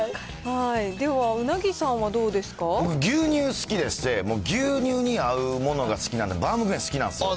では、牛乳好きでして、牛乳に合うものが好きなのでバウムクーヘン好きなんですよ。